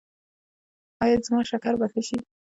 ایا زما شکر به ښه شي؟